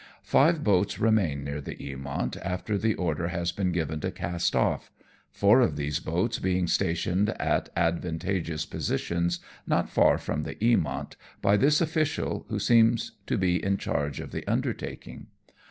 Five boats remain near the Eamont after the order has been given to cast off; four of these boats being stationed at advantageous positions, not far from the Eamont, by this official who seemed to be in charge of the undertaking.